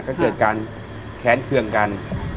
ก็เกิดการแค้นเครื่องกัน